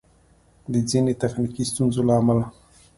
د ځیني تخنیکي ستونزو له امله